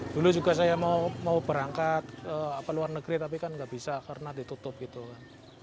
dulu juga saya mau berangkat ke luar negeri tapi kan nggak bisa karena ditutup gitu kan